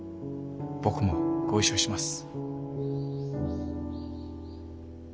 僕もご一緒します。